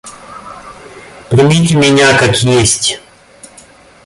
Примите меня, как есть.